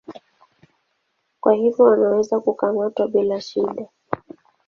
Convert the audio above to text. Kwa hivyo wanaweza kukamatwa bila shida.